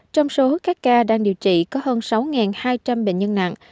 trong số các ca đang điều trị có hơn sáu hai trăm linh bệnh nhân nặng